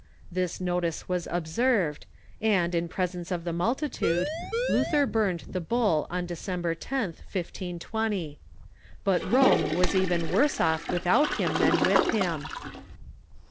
This notice was observed, and, in presence of the multitude, Luther burned the bull on Decem ber 10th, 1520. But Rome was even worse off without him than with him.